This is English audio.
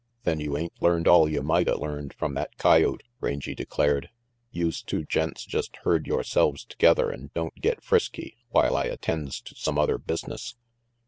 "Then you ain't learned all you mighta learned from that coyote," Rangy declared. "Youse two gents just herd yoreselves together and don't get frisky while I attends to some other business."